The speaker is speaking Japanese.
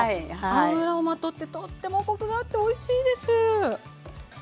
油をまとってとってもコクがあっておいしいです。